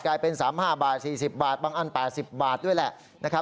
กลายเป็น๓๕บาท๔๐บาทบางอัน๘๐บาทด้วยแหละนะครับ